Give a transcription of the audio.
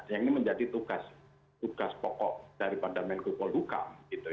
yang ini menjadi tugas pokok dari pandemen kepol kukam